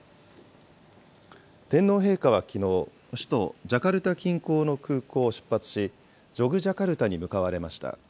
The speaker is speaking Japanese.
天皇陛下はきのう、首都ジャカルタ近郊の空港を出発し、ジョグジャカルタに向かわれました。